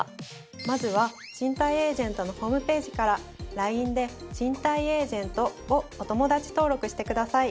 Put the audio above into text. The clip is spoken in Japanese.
まずはＣＨＩＮＴＡＩエージェントのホームページからＬＩＮＥで「ＣＨＩＮＴＡＩエージェント」をお友達登録してください。